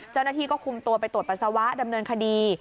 เจ้าหน้าที่ก็คุมตัวไปตรวจปัสสาวะดำเนินคดี